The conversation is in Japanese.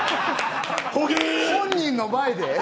本人の前で？